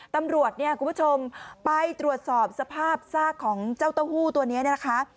ตำรวจเนี่ยคุณผู้ชมไปตรวจสอบสภาพซากของเจ้าเต้าหู้ตัวนี้เนี่ยนะคะ